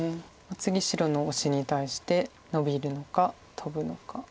次白のオシに対してノビるのかトブのか。